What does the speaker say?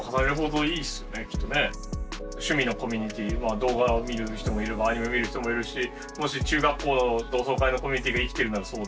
趣味のコミュニティ動画を見る人もいればアニメを見る人もいるしもし中学校の同窓会のコミュニティが生きてるならそう。